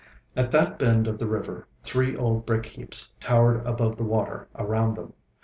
At that bend of the river, three old brick heaps towered above the water around them.